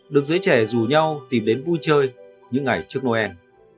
được giới trẻ dù nhau tìm đến vui chơi những ngày trước noel